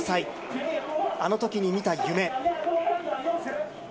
１５歳、あのときに見た夢。